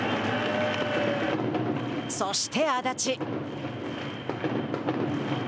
そして安達。